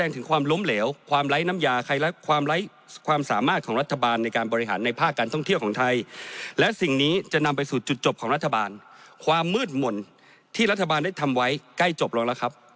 ที่รัฐบาลได้ทำไว้ใกล้จบแล้วครับ